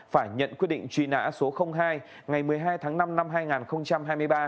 phải nhận quyết định truy nã số hai ngày một mươi hai tháng năm năm hai nghìn hai mươi ba